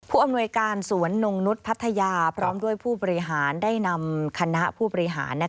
ผู้อำนวยการสวนหนุ่มนุษย์พัทยาเพราะพูดพลบหารได้นำคณะผู้บริหาร